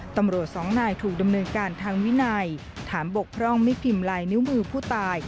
ตำรวจสองนายถูกดำเนินการทางวินัยถามบกพร่องไม่พิมพ์ลายนิ้วมือผู้ตาย